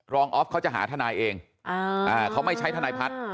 ออฟเขาจะหาทนายเองเขาไม่ใช้ทนายพัฒน์